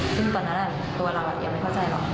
ซึ่งตอนนั้นตัวเรายังไม่เข้าใจหรอก